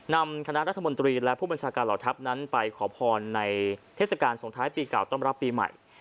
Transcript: นำคณะรัฐมนตรีและผู้บัญชาการเหล่าทัพนั้นไปขอพรในเทศกาลสงท้ายปีเก่าต้อนรับปีใหม่